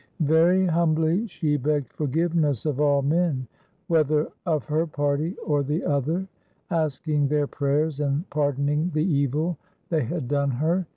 Very humbly, she begged forgiveness of all men, whether of her party or the other, asking their prayers and pardoning the evil they had done her.